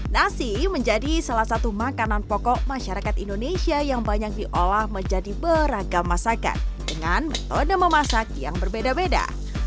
nasi menjadi salah satu makanan pokok masyarakat indonesia yang banyak diolah menjadi beragam masakan dengan metode memasak yang berbeda beda